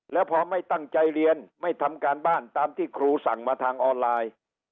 แล้วพอไม่ตั้งใจเรียนไม่ทำการบ้านตามที่ครูสั่งมาทางออนไลน์